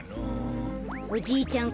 おじいちゃん